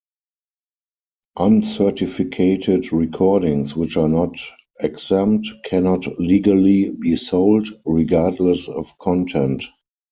Uncertificated recordings which are not exempt cannot legally be sold, regardless of content.